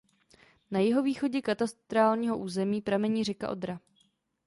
Na jihovýchodě katastrálního území pramení řeka Odra.